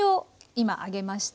今上げました。